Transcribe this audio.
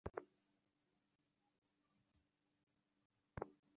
অধিকারী কালো রং-এর ভূড়িওয়ালা লোক, আসরে জুড়ি সাজিয়া গান করে।